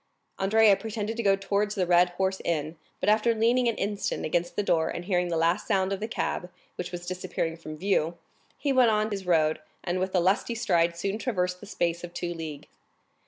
Andrea pretended to go towards the hotel of the Cheval Rouge, but after leaning an instant against the door, and hearing the last sound of the cab, which was disappearing from view, he went on his road, and with a lusty stride soon traversed the space of two leagues.